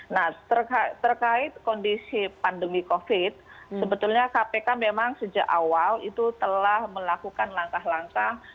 nah terkait kondisi pandemi covid sebetulnya kpk memang sejak awal itu telah melakukan langkah langkah